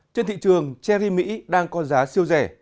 trên thị trường cherry mỹ đang có giá siêu rẻ